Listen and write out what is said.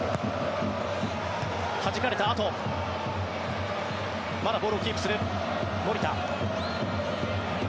はじかれたあとまだボールをキープする。